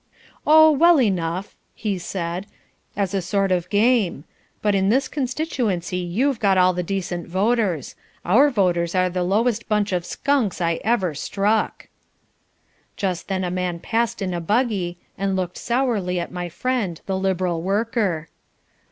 "Oh, well enough!" he said, "as a sort of game. But in this constituency you've got all the decent voters; our voters are the lowest bunch of skunks I ever struck." Just then a man passed in a buggy, and looked sourly at my friend the Liberal worker.